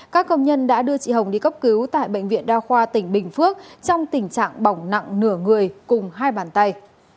các công nhân đã đưa chị hồng đi cấp cứu tại bệnh viện đa khoa tỉnh bình phước trong tình trạng bỏng nặng nửa người cùng hai bàn tay